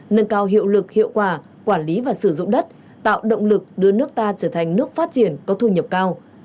nâng cao hiệu lực hiệu quả quản lý và sử dụng đất tạo động lực đưa nước ta trở thành nước phát triển có thu nhập cao